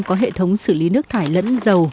có hệ thống xử lý nước thải lẫn dầu